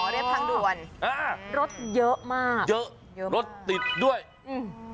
เรียบทางด่วนอ่ารถเยอะมากเยอะเยอะรถติดด้วยอืม